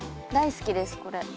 大好きですこれ。